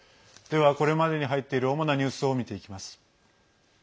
では、これまでに入っている主なニュースを見ていきます。